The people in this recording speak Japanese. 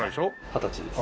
二十歳です。